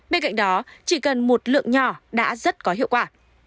bên cạnh đó chỉ cần một lượng nhỏ đã rất có hiệu quả